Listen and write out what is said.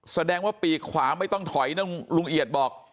แสดงว่าปีกขวาไม่ต้องถอยลุงเอียดบอก